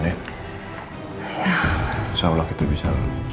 terserahlah kita bisa